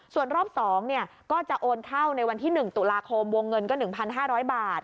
ส่วนรอบ๒ก็จะโอนเข้าในวันที่๑ตุลาคมวงเงินก็๑๕๐๐บาท